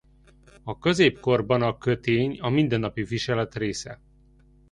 A középkorban a kötény a mindennapi viselet része.